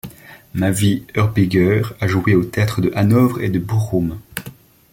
Mavie Hörbiger a joué aux théâtres de Hanovre et de Bochum.